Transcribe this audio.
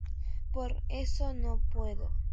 por eso no puedo...